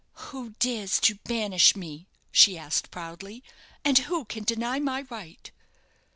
"Who dares to banish me?" she asked, proudly. "And who can deny my right?"